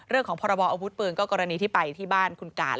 เรื่องของพบอาวุธปืนก็กรณีที่ไปที่บ้านคุณการ